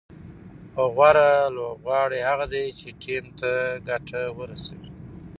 غوره لوبغاړی هغه دئ، چي ټیم ته ګټه ورسوي.